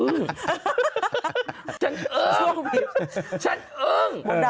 นะนะคะ